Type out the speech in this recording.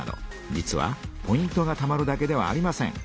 実はポイントがたまるだけではありません。